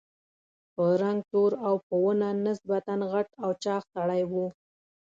په رنګ تور او په ونه نسبتاً غټ او چاغ سړی و.